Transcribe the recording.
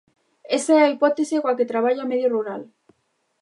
Esa é a hipótese coa que traballa Medio Rural.